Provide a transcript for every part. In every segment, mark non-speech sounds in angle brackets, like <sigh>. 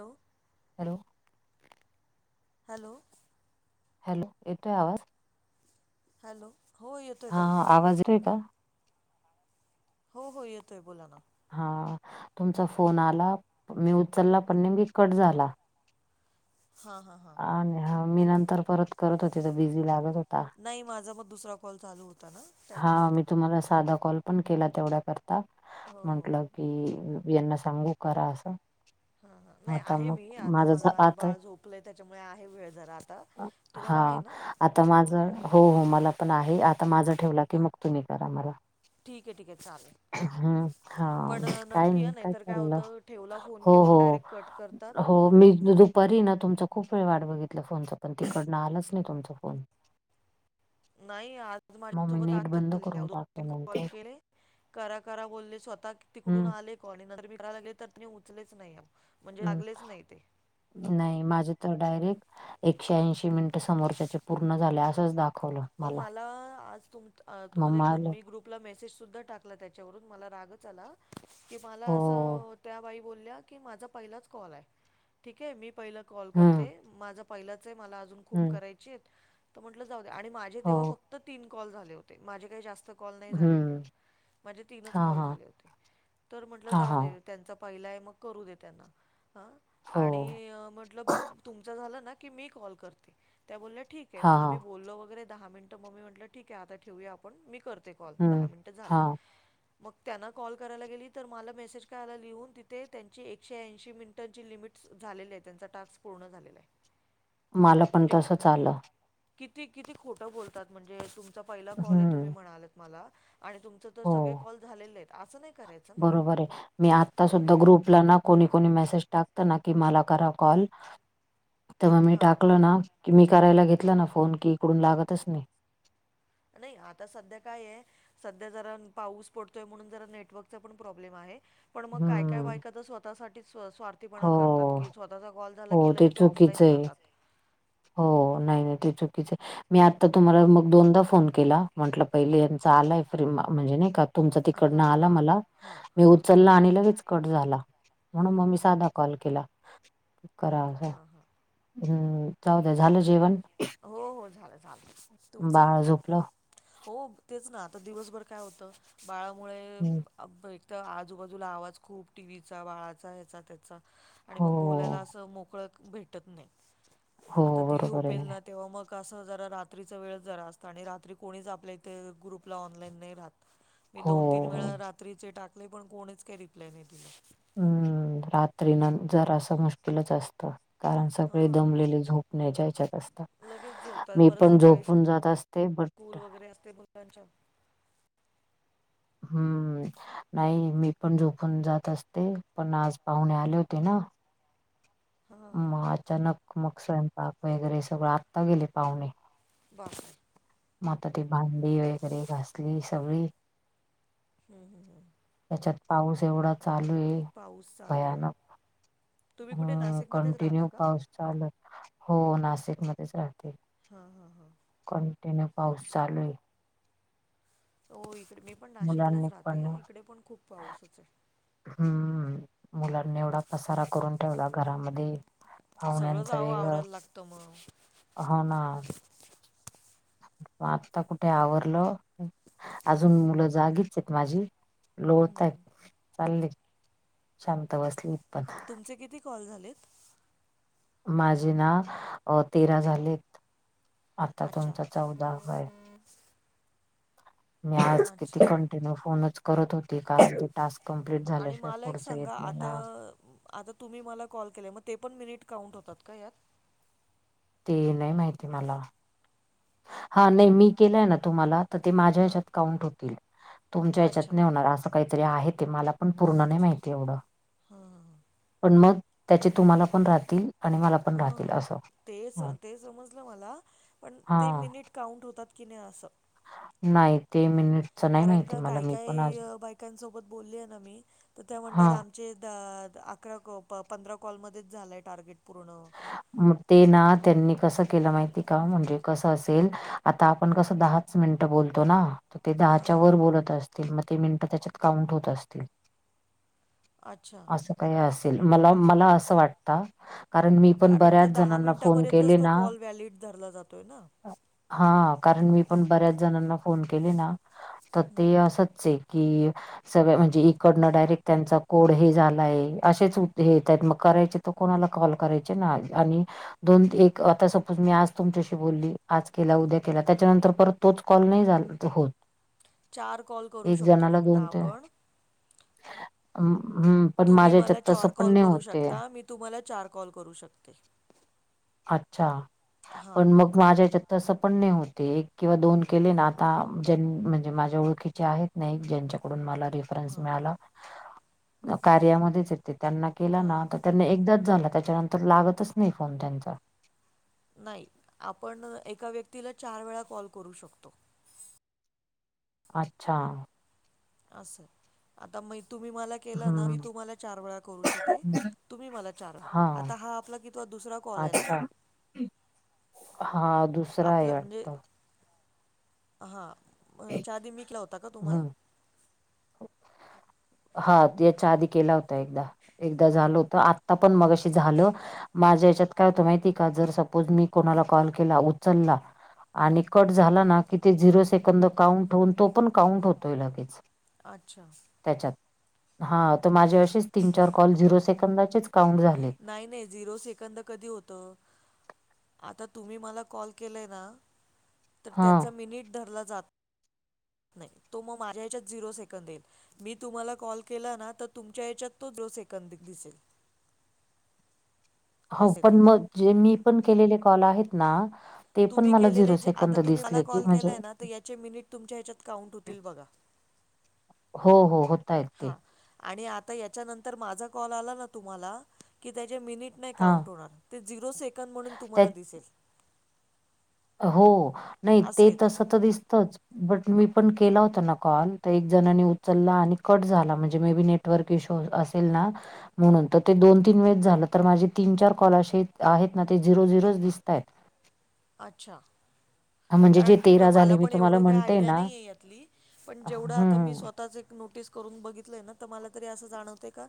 Low. Hello. Hello. Hello येतोय आवाज? Hello. हो येतोय हा ताई आवाज रे का? हो हो येतोय बोला ना. हा तुमचा फोन आला मी उचलला पण नेमी कट झाला. हा हा. आणि हा मी नंतर परत करत होते तर बिझी लागत होता. नाही माझा मग दुसरा कॉल चालू होता ना. हा त्यामुळे मी तुम्हाला साधा कॉल पण केला तेवढ्याकरता हो हो हो म्हंटलं की बी यांना सांगू करा असं. हा ह नाही आता आहे मग मी आता माझं झ- मला माझे आता बाळ झोपलंय त्याच्यामुळे आहे वेळ जरा आता हा तुम्हाला आहे ना आता माझ हो हो मला पण आहे आता माझं ठेवलं की मग तुम्ही करा मला ठीक आहे ठीक आहे चालेल. हम् हा पण काय नक्की या नाही काय तर चाललं होतं ठेवला फोन हो की मग हो डायरेक्ट कट करतात हो मी दुपारी ना तुमचा खूप वेळ वाट बघितलं फोनच पण तिकडनं आलंच नाही तुमचा फोन नाही आज मग मी माझ्यासोबत नेट आश बंद झा करून दोन तीन टाकलं कॉल नंतर केले करा करा बोलले स्वतः तिकडून हम्म आले कॉलिंग नंतर मी करायला लागले तर ते उचलेच नाही म्हणजे हम्म लागलेच नाही ते नाही माझ तर डायरेक्ट एकशे ऐंशी मिनिट समोरच्याचे पूर्ण झाले असंच दाखव अ मला आज तुम तुम्हाला मम्मा एक आलं मी ग्रुप ग्रुपला मेसेज सुद्धा टाकला त्याच्यावरून मला रागच आला की मला अस हो त्या बाई बोल्या की माझा पहिलाच कॉल आहे ठीके मी पहिला कॉल हम्म करते माझा पहिलाच आहे मला अजून खूप हम्म करायचीत तर म्हटलं जाऊ दे आणि माझे हो तेव्हा फ- -क्त तीन कॉल झाले होते माझे काही जास्त कॉल नाही झालेले हम्म माझे तीनच हा कॉल हा झाले होते तर म्हंटलं हा जाऊ हा दे त्यांचा पहिला आहे मग करू दे त्यांना ह हो आणि म्हटलं मग तुमचा झालं ना की मी कॉल करते त्या बोलल्या ठीक आहे हा मग हा आम्ही बोललो वगैरे दहा मिनिटं मग मी म्हटलं ठीक आहे आता ठेऊूया आपण मी करते कॉल हम्म दहा मिनिट झालेत. हा मग त्यांना कॉल करायला गेली तर मला मेसेज काय आला लिहून तिथे त्यांची एकशे ऐंशी मिन- -टांची लिमिट्स झाले आहे त्यांचा टास्क पूर्ण झालेला आहे. हां मला पण म्हणजे तसच आलं. किती किती खोटं बोलतात म्हणजे तुमचा पहिला कॉल आहे तुम्ही हम्म म्हणालत मला आणि तुमचं तर सगळे कॉल झालेले आहेत असं नाही करायचं ना बरं मी आता सुद्धा ग्रुपला ना कोणी कोणी मेसेज टाकत ना की मला करा कॉल तर मग मी हां टाकल ना की मी करायला घेतलं ना फोन कि इकडून लागतच नाही. नाही आता सध्या काय आहे सध्या जरा पाऊस पडतोय म्हणून जरा नेटवर्कचा पण प्रॉब्लेम आहे. पण मग काय काय हम्म. बायका तर स्वतःसाठी स्वा- हो, -र्थीपणा करतात की स्वतःचा कॉल झाला हो की ते लगेच चुकीचं ऑफलाईन आहे. जातात. हो नाही नाही ते चुकीच आहे मी आता तुम्हाला मग दोनदा फोन केला म्हंटलं पहिले यांचा आलाय फ्री तरी मी म्हणजे नाही का तुमच तुमचा तिकडनं हां आला हां मला तिकडनं आला मला. हां हां मी उचलला आणि लगेच कट झाला म्हणून मग हां मी साधा कॉल केला. कराव ह हम्म जाऊदे. झालं जेवण? हो हो झालं झालं तुमचं बाळ झोपलं? हो तेच ना आता दिवसभर काय होतं बाळामुळे हं. अ ब एक तर आजूबाजूला आवाज खूप टी व्ही चा बाळाचा हेचा तेचा आणि हो, मग बोलायला असं मोकळंक भेटत नाही. हो आता ती बरोबर झोपेल आहे. ना तेव्हा मग कसं जरा रात्रीच वेळ जरा असतं आणि रात्री कोणीच आपल्या इथे ग्रुपला ऑनलाईन नाही राहत. <inaudible> मी दोन तीन वेळा रात्रीचे टाकले पण कोणीच काही रिप्लाय नाही दिला. हम्म रात्री न जर असं मुश्किलच असतं. कारण हा सगळे दमलेले झोपने ह्याच्यात असतात. लगेच झोपतात मी परत पण सकाळी झोपून जात असते, ब स्कूल वगैर असते पण त्यांच्या हम्म. नाही, मी पण झोपून जात असते, पण आज पाहुणे आले होते ना. हा मग अचानक, मग स्वयंपाक वगैरे सगळं, आत्ता गेले पाहुणे. बापरे! म आता ती भांडी वगैरे घासली सगळी. हम्म हम्म हम्म. त्याच्यात पाऊस एवढा चालू ए पाऊस चालू आहे भयानक, तुम्ही कुठे हम्म नाशिकमध्येच राहता कंटिन्यू का पाऊस चालूय, हो नाशिक मध्येच राहते. हा हा हा. कंटिन्यू पाऊस चालूय. हो इकडे मी पण नाशिकलाच मुलांनी राहते, पण इकडे पण खूप पाऊसच ए. हम्म, मुलांनी एवढा पसारा करून ठेवला घरामध्ये, सगळंच पाहुण्यांच आवं वेगळं आवरायला लागतं मग. हो ना. म आत्ता कुठे आवरलं, अजून मुलं जागीचेत माझी. लोळतायत, चालले शांत बसली. पण तुमचे किती कॉल झालेत? माझे ना, अ तेरा झालेत. आत्ता अच्छा तुमचा चौदाव्वाय. मी आज अच्छा किती कंटिन्यू फोनच करत होत ते कालचे टास्क कंप्लीट आणि झाल्याशिवाय मला एक पुढचं येत सांगा नाही आता ना. आता तुम्ही मला कॉल केलाय, मग ते पण मिनिट काउंट होतात का यात? ते नाही माहिती मला. हा नाही, अच्छा मी केलाय ना तुम्हाला, तर ते माझ्या हां हेच्यात काउंट होतील. तुमच्या याच्यात अच्छा नाही होणार, असं काहीतरी आहे ते, मला पण पूर्ण नाही अच्छा माहिती एवढं, हां हां पण मग त्याचे तुम्हाला पण राहतील. आणि मला पण हां हां राहतील हां असं, ते स हम्म. ते समजलं मला, पण ते मिनिट काउंट होतात की नाही असं? नाही, ते मिनिट कारण का, काय काय बायकांसोबत बोलली आहे ना मी, तर त्या म्हणतात हा आम् चे द अकरा कॉ प पंधरा कॉलमध्येच झालंय टार्गेट पूर्ण. मग ते ना, त्यांनी कसं केलं माहिती का, म्हणजे कसं असेल आता आपण कसं दहाच मिनिटं बोलतो ना, तर ते हां दहाच्या हां. वर बोलत असतील, मग ते मिनिटं त्याच्यात काउंट होत असतील. अच्छा. असं काही असेल, मला मला असं वाटतं. कारण मी पण बऱ्याच जणांना फोन केले ना, वॅलिड धरला जातोय ना. हा, कारण मी पण बऱ्याच जणांना फोन केले ना, तर ते असच्चे. की सगळे म्हणजे इकडनं डायरेक्ट त्यांचा कोड हे झालाय, असेच येत मग करायचे तर कोणाला कॉल करायचे ना आधी, आणि दोन ते एक आता समज मी आज तुमच्याशी- बोली आज केला उद्या केला, त्याच्यानंतर परत तोच कॉल नाही झाला तो. चार कॉल करू शकतो फक्त आपण. हम् हम्म पण तुम्ही माझ्या मला याच्यात तसं चार पण कॉल नाही करू होते शकता. मी तुम्हाला चार कॉल करू शकते. अच्छा! हां, पण मग, माझ्या यांच्यात तस पण नाही होते एक किंवा दोन केले ना आता ज्यां म्हणजे माझ्या ओळखीचे आहेत. नाही ज्यांच्याकडून मला रेफरन्स हां, मिळाला. कार्यामध्येच येते त्यांना केला ना हां. तर त्यांना एकदाच झाला त्याच्यानंतर- तर लागतच नाही फोन त्यांना. नाही आपण एका व्यक्तीला चार वेळा कॉल करू शकतो. अच्छा! असं आता म तुम्ही मला केला ना, मी हम्म तुम्हाला चार वेळा करू शकते. तुम्ही मला चार हा वेळा आता हा आपला किवा दुसरा कॉल आहे ना? अच्छा हा दु- आपलं म्हणजे, हा हेच्या आधी मिकला होता का तुम्हाला? हम्म हा यांच्या आधी केला होता. एकदा एकदा झाल होत आत्ता पण मग अशी झालं- माझ्या यांच्यात. काय होतं माहिती का जर सपोज मी कोणाला कॉल केला उचलला आणि कट झाला ना कि ते झिरो सेकंद काउंट होऊन तो पण काउंट होतोय लगेच. अच्छा! त्याच्यात हा तर माझे अेच तीन चार कॉल झिरो सेकंदाचेच काउंट झाले. नाही नाही झिरो सेकंद कधी होतं. आता तुम्ही मला कॉल केलाय ना, तर हा त्याचा मिनट धरला जात. नाही तो मग माझ्या यांच्यात झिरो सेकंद येईल. मी तुम्हाला कॉल केला ना, तर तुमच्या याच्यात तो दो सेकंद दिसेल. हो असं आहे पण ते मे मी पण केलेले कॉल आहेत ना. ते पण तुम्ही मला केलेले झिरो जे आता, सेकंद तुम्ही मला दिसले की कॉल म्हणजे केलाय ना तर याचे मिनिट तुमच्या ह्याच्यात काउंट होतील बघा. हो हो हो हां आणि आता याच्यानंतर माझा कॉल आला ना तुम्हाला की त्याचे मिनिटं - नाही हा काउंट होणार. ते झिरो सेकड म्हणून त्या तुम्हाला दिसेल. हो नाही असं ते आहे तसं तर दिसतच. बट मी पण केला होता ना कॉल, तर एक जणनी उचलला आणि कट झाला म्हणजे may be net- network issue असेल ना, म्हणून तर ते दोन तीन वेळेस झालं, तर माझे तीन चार कॉल असे आहेत ना ते झिरो झिरोच दिसत आहेत. अच्छा! म्हणजे जे कारण की मला झाले मी पण एवढ तुम्हाला काही म्हणतेय आयडिया ना नाही यातली, पण हं, जेवढं आता मी हं. स्वतः एक नोटीस, करून बघितलंय ना तर मला तरी असं जाणवते का.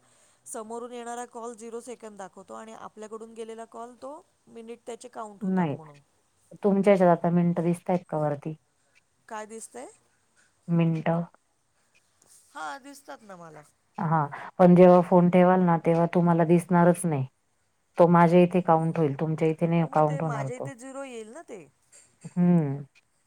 समोरून येणारा कॉल झिरो सेकंड दाखवतो, आणि आपल्याकडून गेलेला कॉल तो मिनिटं त्या- नाही तुमच्याच्यात हेच्यात आता मिनटं दिसतय का वरती? काय दिसतंय मिनिटं हा दिसतात ना मला. हा पण जेव्हा फोन ठेवाल ना तेव्हा तुमला दिसणारच नाही त मा- इथे काउंट होईल तुम्हच्या इथे हो मग ते कांउट होणार माझ्या तो. इथे झिरो येईल ना ते हम्म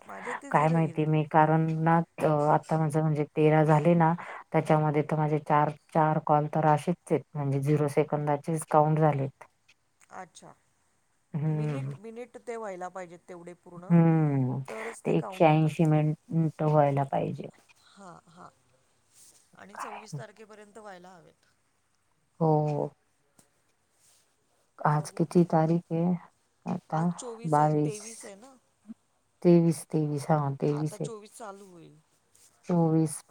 माझ्या इथे काय झिरो येईल माहितीय ते मी. कार आता म्हण म्हणजे तेरा झाले ना त्यांच्यामध्ये, माझे च चार कॉल तर असेच म्हणजे झिरो सेकंदाचेच काउंट झालेत. अच्छा हम्म मिनिट मिनिट ते व्हायला पाहिजेत तेवढे. पूर्ण हम्म तरच ते एकशे काउंट होतात. ऐंशी मिनट व्हायला पाहिजे. हा हा आणि स्वीस काय तारखेपर्यंत व्हायला हवेत. हो. आज बघू किती तारीख आहे आता आज चोवीस आहे बावीस. तेवीस आहे ना तेवीस तेवीस हा तेवीस एक. चालूईल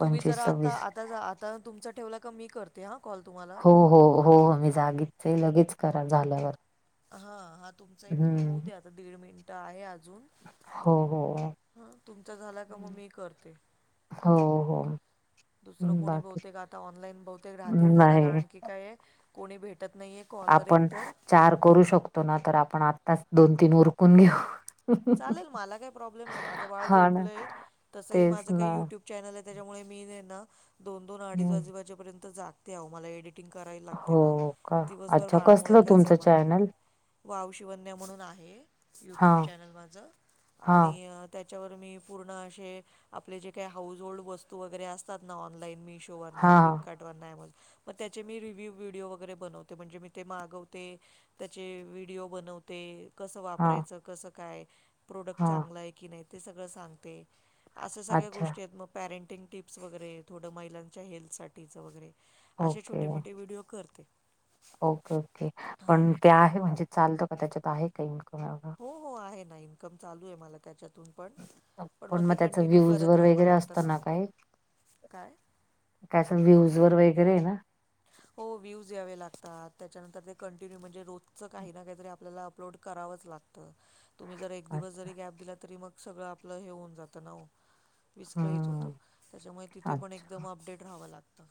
तुम्ही जरा आता सव्वीस आता. तुमचा ठेवला का मी करते हा कॉल तुम्हाला. हो हो हो हो मी जागीचच लगेच करा झाल्यावर. हा हा तुमचा एक हम्म होऊ द्या आता दीड मिनटं आहे अजून. हो हो हो. हा तुमचा झाला का मग मी करते. हो हो. दुसरं कोणी बाकी बहुतेक आता ऑनलाईन बहुतेक राहतील जरा नाही. कारण की काय कोणी भेटत नाहीये. कॉलवर आपण एकतर चार करू शकतो ना तर आपण आत्ताच दोन तीन उरकून घेऊ. चालेल मला काही प्रॉब्लेम नाही माझं बाळ हा ना, झोपलंय तसंही तेच माझं काही ना. युट्यूब. चॅनल आहे त्याच्यामुळे मी ना दोन दोन अडीच हं. वाजेू वाजेपर्यंत जातते आह मला एडिट. शटिंग करायला लागते ना हो का? दिवसभर अच्छा, बाळामुळे कसलं काही तुमचं जमत नाही. चॅनल? वाव शवन्या म्हणून आहे युट्यूब हां, चॅनल माझ हां, आणि. त्याच्यावर मी पूर्ण असे आपले जे काही हाऊस होल्ड वस्तू वगैरे असतात ना ऑनलाईन मी. वर् हां, फ्लपकार्ट. त्याचे मी रिव्ह्य व्हडओ वगैरे बनवते म्हणजे मी ते मागवते. त्याचे व्हिडिओ बनवते. ते कसं हां, वापरायचं कसं काय प्रोडक्ट हां. चांगलं आहे की नाही ते सगळं सांगते. असे सगळ्या अच्छा. गोष्टी आहेत मग पॅरेंटिंग टिप्स वगैरे थोडं महिलांच्या हेल्थसाठीठीचं वगैरे. असे ओके, छोटे मोठे व्हिडिओ करते. ओके ओके हां पण ते आहे म्हणजे चालतो का त्याच्यात आहे का इन्कम वग. हो हो आहे ना इन्कम चालू आहे मला त्याच्यातून पण. पण मग ते त्याचं कंटिन्यू करत व्ह्यूजवर राहावं वगैरे लागतं असतं ना काय. त्याच व्ह्यूज वर वगैरे ना. हो व्ह्यूज या्यावे लागतात त्याच्यानंतर ते कंटिन्यू म्हणजे रोजचं काही ना काहीतरी आपल्याला अपलोड करावंच लागतं. तुम्ही जर एक दिवस अच्छा. जरी गॅप दिला तरी मग सगळं आपलं हे होऊन जातं ना. विस्कळीत होतं हं. त्याच्यामुळे तिथे पण अच्छा. एकदम अपडेट राहावं लागतं.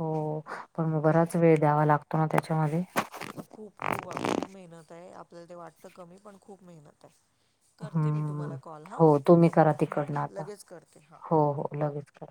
हो पण मग बराच वेळ द्यावा लागतो ना त्याच्यामध्ये. खूप खूप खूप मेहनत आहे आपल्याला ते वाटतं कमी पण खूप मेहनत आहे. करते मी हम्म. तुम्हाला कॉल हां हो तुम्ही करा हां तिकडनं आता. लगेच करते हां. हो, हो लगेच करा.